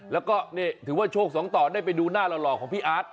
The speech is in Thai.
แล้วก็นี่ถือว่าโชคสองต่อได้ไปดูหน้าหล่อของพี่อาร์ต